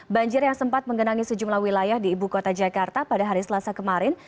banjir yang sempat menggenangi sejumlah wilayah di ibu kota jakarta pada hari selasa kemarin